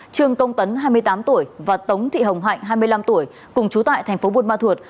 trương tông tấn hai mươi tám tuổi và tống thị hồng hạnh hai mươi năm tuổi cùng chú tại tp buôn ma thuột